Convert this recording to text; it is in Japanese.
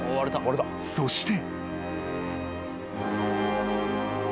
［そして］